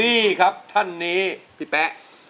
นี่ครับท่านนี้พี่แป๊ะ